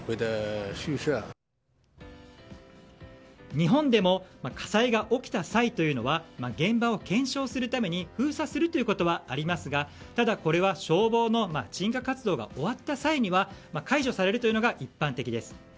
日本でも火災が起きた際というのは現場を検証するために封鎖することはありますがただ、これは消防の鎮火活動が終わった際には解除されるというのが一般的です。